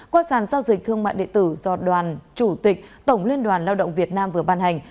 qua sàn giao dịch thương mại điện tử do đoàn chủ tịch tổng liên đoàn lao động việt nam vừa ban hành